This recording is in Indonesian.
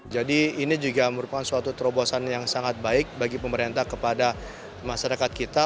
jadi ini juga merupakan suatu terobosan yang sangat baik bagi pemerintah kepada masyarakat kita